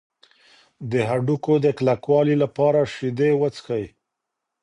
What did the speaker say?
د هډوکو د کلکوالي لپاره شیدې وڅښئ.